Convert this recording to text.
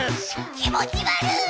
気持ち悪い！